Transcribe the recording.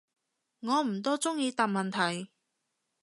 我唔多中意答問題